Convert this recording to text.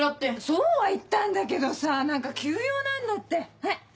そうは言ったんだけどさ何か急用なんだってはい。